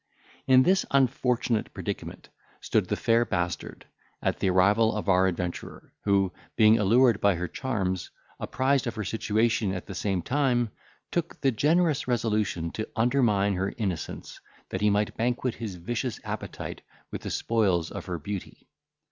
In this unfortunate predicament stood the fair bastard, at the arrival of our adventurer, who, being allured by her charms, apprised of her situation at the same time, took the generous resolution to undermine her innocence, that he might banquet his vicious appetite with the spoils of her beauty.